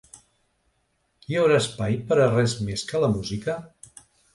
Hi haurà espai per a res més que la música?